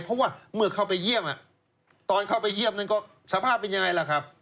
เพราะว่าเมื่อเข้าไปเยี่ยมตอนเข้าไปเยี่ยมนั้นก็สภาพเป็นยังไงล่ะครับ